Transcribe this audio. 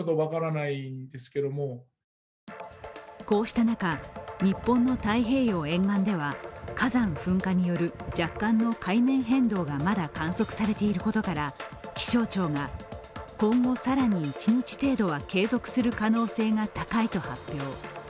こうした中、日本の太平洋沿岸では火山噴火による若干の海面変動がまだ観測されていることから、気象庁が今後更に１日程度は継続する可能性が高いと発表。